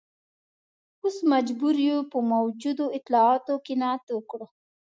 اوس مجبور یو په موجودو اطلاعاتو قناعت وکړو.